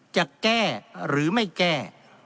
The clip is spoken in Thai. จะแก้หรือไม่แก้